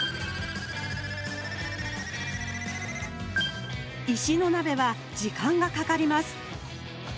石の鍋は時間がかかります